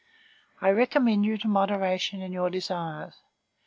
I recommend you to moderation in your desires.